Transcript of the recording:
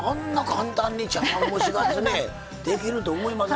簡単に茶碗蒸しができると思いません。